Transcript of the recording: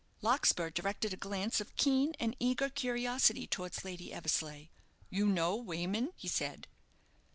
Larkspur directed a glance of keen and eager curiosity towards Lady Eversleigh. "You know Wayman?" he said.